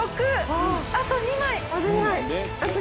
あと２枚。